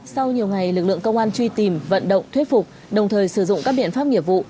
sau nhiều ngày lực lượng công an truy tìm vận động thuyết phục đồng thời sử dụng các biện pháp nghiệp vụ